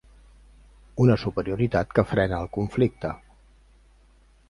Una superioritat que frena el conflicte.